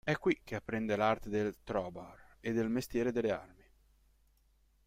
È qui che apprende l'arte del "trobar" e del mestiere delle armi.